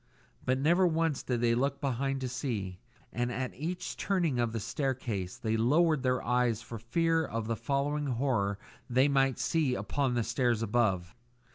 But never once did they look behind to see; and at each turning of the staircase they lowered their eyes for fear of the following horror they might see upon the stairs above.